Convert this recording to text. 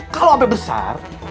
kalau api besar